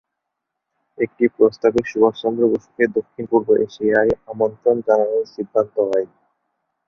একটি প্রস্তাবে সুভাষচন্দ্র বসুকে দক্ষিণ-পূর্ব এশিয়ায় আমন্ত্রণ জানানোর সিদ্ধান্ত হয়।